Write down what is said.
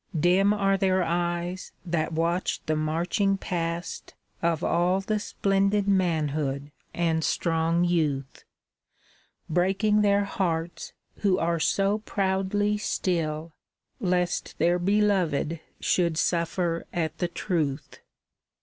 j> Dim are their eyes that watch the marching past Of all the splendid manhood and strong youth, Breaking their hearts, who are so proudly still Lest their beloved should sufiPer at the truth.